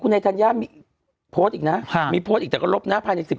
ไม่ทาน